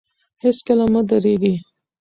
هېڅکله مه درېږئ.